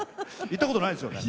行ったことないですよね？